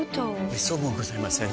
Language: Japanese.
めっそうもございません。